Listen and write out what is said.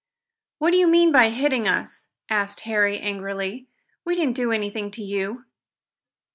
"What do you mean by hitting us?" asked Harry angrily. "We didn't do anything to you."